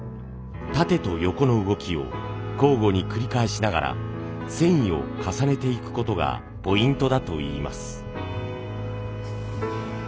縦と横の動きを交互に繰り返しながら繊維を重ねていくことがポイントだといいます。